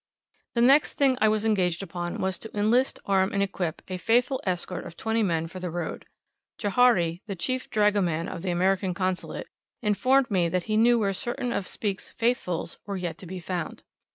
The next thing I was engaged upon was to enlist, arm, and equip, a faithful escort of twenty men for the road. Johari, the chief dragoman of the American Consulate, informed me that he knew where certain of Speke's "Faithfuls" were yet to be found.